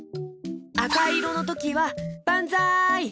あかいろのときはばんざい！